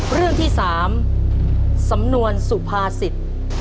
เรื่องที่๓สำนวนสุภาษิต